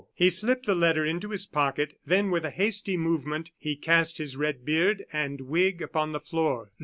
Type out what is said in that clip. He slipped the letter into his pocket, then with a hasty movement he cast his red beard and wig upon the floor.